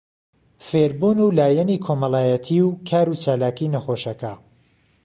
فێربوون و لایەنی کۆمەڵایەتی و کاروچالاکی نەخۆشەکە